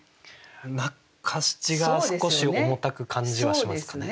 中七が少し重たく感じはしますかね。